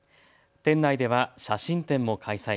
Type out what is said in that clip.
店内では写真展も開催。